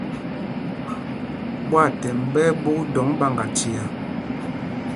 Ɓwaathɛmb ɓɛ́ ɛ́ ɓûk dɔŋ ɓaŋgachia.